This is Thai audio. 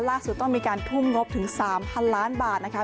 ต้องมีการทุ่มงบถึง๓๐๐ล้านบาทนะคะ